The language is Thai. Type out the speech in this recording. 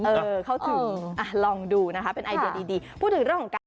เออเข้าถึงลองดูนะครับเป็นไอเดียดีพูดถึงเรื่องของการที่สุด